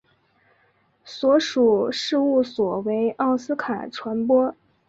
所属事务所为奥斯卡传播。